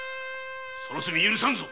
その罪許さんぞ。